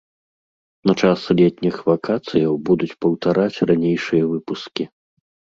На час летніх вакацыяў будуць паўтараць ранейшыя выпускі.